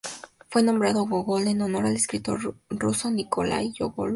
Fue nombrado Gogol en honor al escritor ruso Nikolái Gógol.